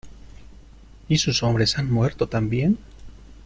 ¿ y sus hombres han muerto también?